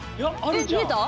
えっ見えた？